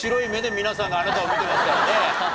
皆さんがあなたを見てますからね。